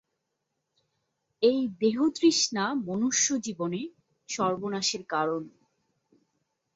এই দেহতৃষ্ণা মনুষ্যজীবনে সর্বনাশের কারণ।